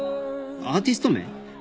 アーティスト名？